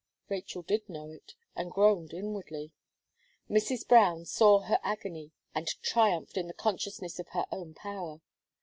Rachel did know it, and groaned inwardly. Mrs. Brown saw her agony, and triumphed in the consciousness of her own power.